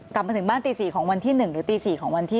กลับมาถึงบ้านตี๔ของวันที่๑หรือตี๔ของวันที่๑